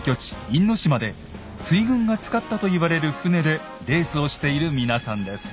因島で水軍が使ったと言われる船でレースをしている皆さんです。